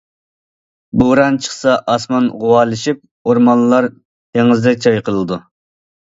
بوران چىقسا ئاسمان غۇۋالىشىپ، ئورمانلار دېڭىزدەك چايقىلىدۇ.